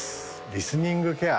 リスニングケア